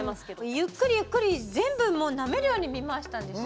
ゆっくりゆっくり全部なめるように見回したんですよ。